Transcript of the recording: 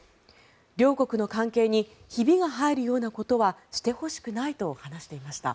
両国の関係にひびが入るようなことはしてほしくないと話していました。